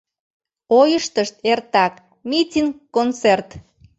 Ойыштышт эртак — митинг-концерт.